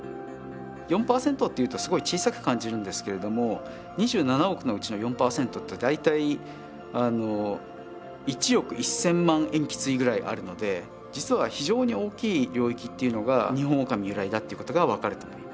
４％っていうとすごい小さく感じるんですけれども２７億のうちの４％って大体１億１，０００万塩基対ぐらいあるので実は非常に大きい領域っていうのがニホンオオカミ由来だっていうことが分かると思います。